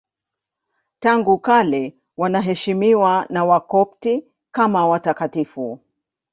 Tangu kale wanaheshimiwa na Wakopti kama watakatifu.